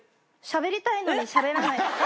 しゃべりたいのにしゃべらない。